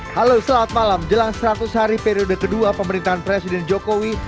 halo selamat malam jelang seratus hari periode kedua pemerintahan presiden jokowi